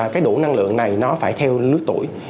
cái đủ năng lượng này nó phải theo lứa tuổi